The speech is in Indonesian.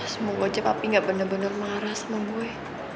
semoga aja papi gak bener bener marah sama gue